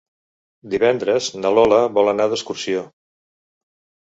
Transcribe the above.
Divendres na Lola vol anar d'excursió.